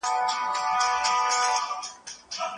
هغه اثر د تحقیق په لیکنو کې د استناد لارښود و.